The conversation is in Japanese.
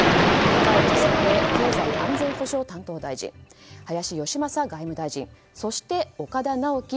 高市早苗経済安全保障担当大臣林芳正外務大臣そして岡田直樹